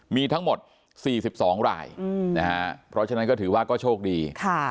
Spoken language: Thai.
มีทั้งหมด๔๒รายนะฮะเพราะฉะนั้นก็ถือว่าก็โชคดี